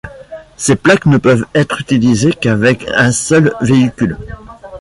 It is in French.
Ces plaques ne peuvent être utilisées qu'avec un seul véhicule.